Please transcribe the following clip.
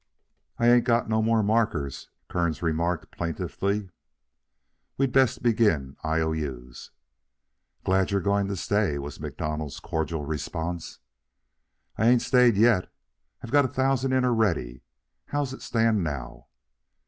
"I ain't go no more markers," Kearns remarked plaintively. "We'd best begin I.O.U.'s." "Glad you're going to stay," was MacDonald's cordial response. "I ain't stayed yet. I've got a thousand in already. How's it stand now?"